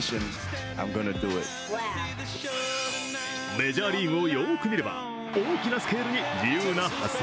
メジャーリーグをよく見れば、大きなスケールに自由な発想。